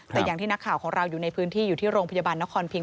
แต่อย่างที่นักข่าวของเราอยู่ในพื้นที่อยู่ที่โรงพยาบาลนครพิง